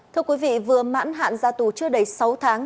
thưa quý vị vừa mãn hạn ra tù chưa đầy sáu tháng